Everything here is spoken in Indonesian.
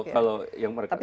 saya tidak tahu